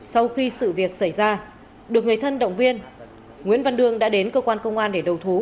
sau khi sự việc xảy ra được người thân động viên nguyễn văn đương đã đến cơ quan công an để đầu thú